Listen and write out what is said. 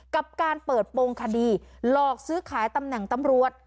กับการเปิดโปรงคดีหลอกซื้อขายตำแหน่งตำรวจ